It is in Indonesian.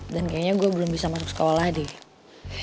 dan kayaknya gue belum bisa masuk sekolah deh